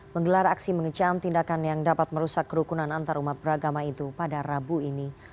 menggelar aksi mengecam tindakan yang dapat merusak kerukunan antarumat beragama itu pada rabu ini